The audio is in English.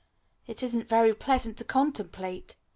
It isn't very pleasant to contemplate.